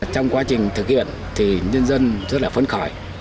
trong quá trình thực hiện thì nhân dân rất là phân khỏi